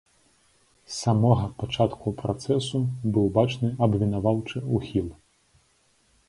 З самога пачатку працэсу быў бачны абвінаваўчы ўхіл.